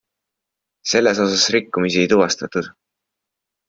Selles osas rikkumisi ei tuvastatud.